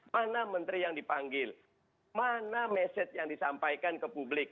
mana menteri yang dipanggil mana message yang disampaikan ke publik